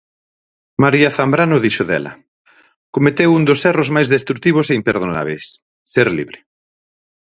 María Zambrano dixo dela: "Cometeu un dos erros máis destrutivos e imperdonábeis: ser libre".